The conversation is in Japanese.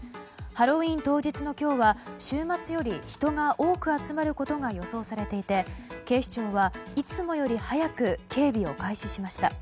ハロウィーン当日の今日は週末より人が多く集まることが予想されていて、警視庁はいつもより早く警備を開始しました。